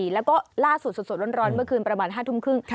แล้วก็ล่าสุดสดร้อนเมื่อคืนประมาณ๕ทุ่มครึ่ง